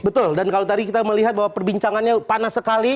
betul dan kalau tadi kita melihat bahwa perbincangannya panas sekali